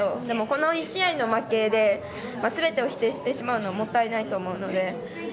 でも、この１試合の負けですべてを否定してしまうのはもったいないと思うので。